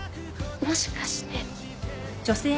もしかして。